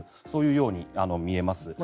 そういうように見えます。